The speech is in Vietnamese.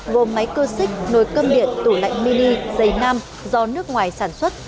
gồm máy cơ xích nồi cơm điện tủ lạnh mini dây nam do nước ngoài sản xuất